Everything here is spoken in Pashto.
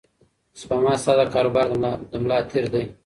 سپما ستا د کاروبار د ملا تیر دی.